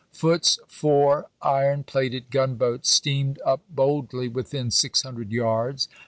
Foote's four iron plated gunboats steamed up boldly within six hundi^ed yards.